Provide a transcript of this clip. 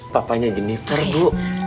papanya jennifer bu